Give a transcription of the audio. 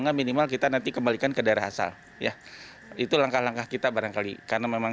enggak minimal kita nanti kembalikan ke daerah asal ya itu langkah langkah kita barangkali karena memang